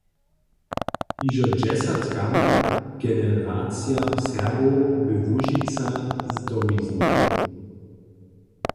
Hižo dźesatkam generacijam Serbow bě Łužica z domiznu.